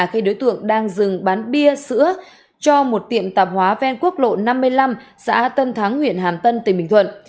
khi đối tượng đang dừng bán bia sữa cho một tiệm tạp hóa ven quốc lộ năm mươi năm xã tân thắng huyện hàm tân tỉnh bình thuận